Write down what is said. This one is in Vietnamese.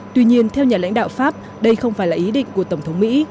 tuy nhiên theo nhà lãnh đạo pháp đây không phải là ý định của tổng thống mỹ